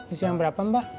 isi yang berapa mbak